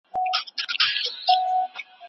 په زندانونو کي اصلاحي پروګرامونه پکار دي.